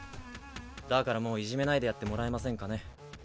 だからもういじめないでやってもらえませんかね。